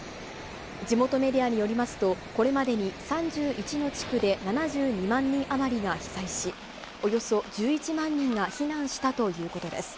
地元メディアによりますと、これまでに３１の地区で７２万人余りが被災し、およそ１１万人が避難したということです。